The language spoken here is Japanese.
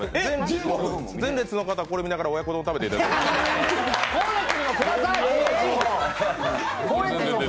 前列の方は、これを見ながら親子丼を食べていただく。